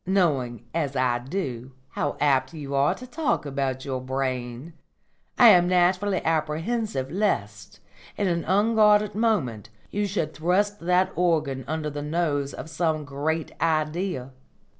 Knowing, as I do, how apt you are to talk about your brain, I am naturally apprehensive lest, in an unguarded moment, you should thrust that organ under the nose of some Great Idea.